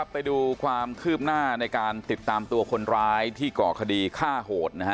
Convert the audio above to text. ไปดูความคืบหน้าในการติดตามตัวคนร้ายที่ก่อคดีฆ่าโหดนะฮะ